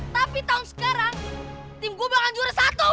tapi tahun sekarang tim gue bakal juara satu